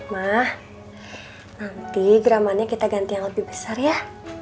mah nanti gramannya kita ganti yang lebih besar ya